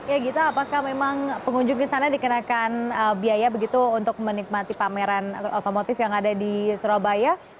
ya gita apakah memang pengunjung di sana dikenakan biaya begitu untuk menikmati pameran otomotif yang ada di surabaya